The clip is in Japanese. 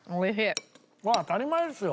これは当たり前ですよ。